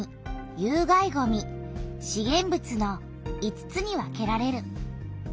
有害ごみ資源物の５つに分けられる。